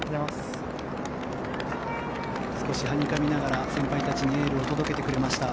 少しはにかみながら先輩たちにエールを届けてくれました。